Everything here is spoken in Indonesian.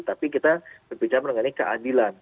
tapi kita berbicara mengenai keadilan